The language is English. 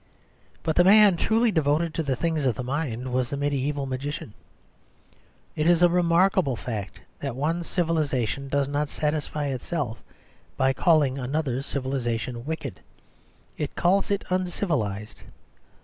But the man truly devoted to the things of the mind was the mediæval magician. It is a remarkable fact that one civilisation does not satisfy itself by calling another civilisation wicked it calls it uncivilised.